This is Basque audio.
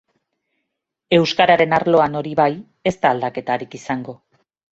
Euskararen arloan, hori bai, ez da aldaketarik izango.